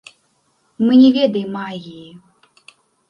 Мы не ведаем магіі.